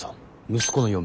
息子の嫁